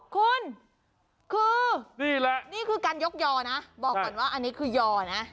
คุณคือนี่แหละนี่คือการยกยอนะบอกก่อนว่าอันนี้คือยอนะ